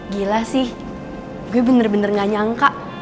gila sih gue bener bener gak nyangka